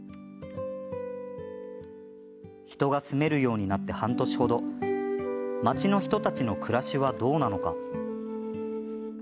人が住めるようになって半年程町の人たちの暮らしはどうなのか。